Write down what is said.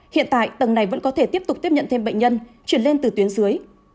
hiện tại tầng này vẫn có thể tiếp tục tiếp nhận thêm bệnh nhân chuyển lên từ tuyến dưới